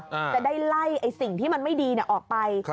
จะได้ไล่สิ่งที่มันไม่ดีออกไป